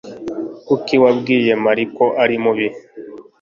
Kuki wabwiye Mary ko ari mubi?